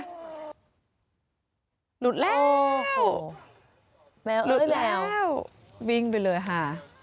หลุดแล้วหลุดแล้ววิ่งไปเลยค่ะ